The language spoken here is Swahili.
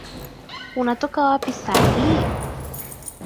Unatoka wapi saa hii?